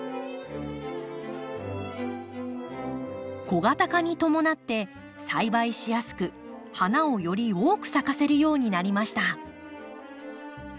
小型化に伴って栽培しやすく花をより多く咲かせるようになりました。